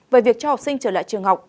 về việc cho học sinh trở lại trường học